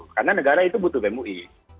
karena negara itu butuh bem ui